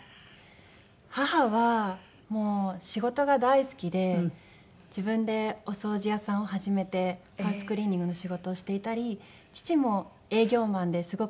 母はもう仕事が大好きで自分でお掃除屋さんを始めてハウスクリーニングの仕事をしていたり父も営業マンですごくユニークな。